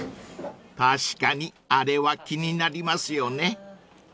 ［確かにあれは気になりますよね］